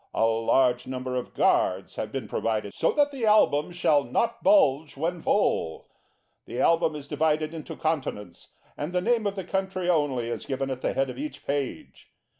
A large number of guards have been provided so that the Album shall not bulge when full. The Album is divided into Continents, and the name of the country only is given at the head of each page.